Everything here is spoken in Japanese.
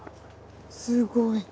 すごい。